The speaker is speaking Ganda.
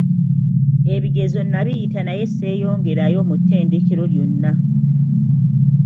Ebigezo nabiyita naye sseeyongera yo mu ttendekero lyonna!